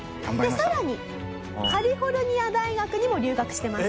さらにカリフォルニア大学にも留学してます。